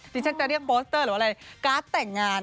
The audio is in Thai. นี่ฉันจะเรียกโปสเตอร์หรืออะไรการ์ดแต่งงานค่ะ